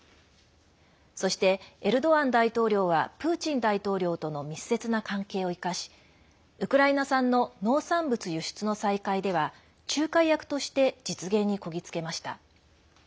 そして、エルドアン大統領はプーチン大統領との密接な関係を生かしウクライナ産の農産物輸出の再開では仲介役として実現にこぎつけました。